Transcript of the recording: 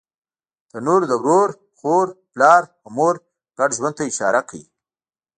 تنور د ورور، خور، پلار او مور ګډ ژوند ته اشاره کوي